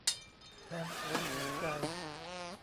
แถมสวยถูกใจ